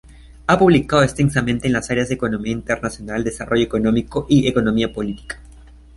Ha publicado extensamente en las áreas de economía internacional, desarrollo económico y economía política.